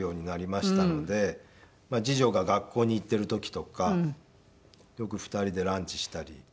次女が学校に行ってる時とかよく２人でランチしたり。